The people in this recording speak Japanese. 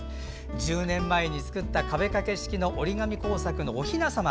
１０年前に作った壁掛け式の折り紙工作のおひなさま。